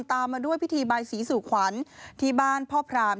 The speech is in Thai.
ตามมาด้วยพิธีบายศรีสุขวัญที่บ้านพ่อพราหมณ์